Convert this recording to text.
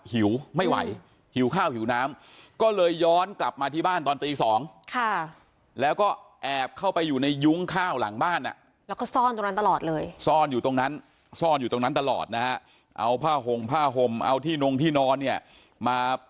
หิวไม่ไหวหิวข้าวหิวน้ำ